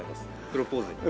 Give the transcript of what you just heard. プロポーズに。